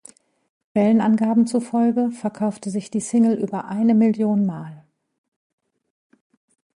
Quellenangaben zufolge verkaufte sich die Single über eine Million Mal.